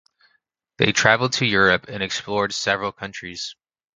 They traveled to Europe and explored several countries.